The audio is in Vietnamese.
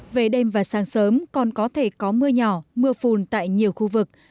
về đêm và sáng sớm còn có thể có mưa nhỏ mưa phùn tại nhiều khu vực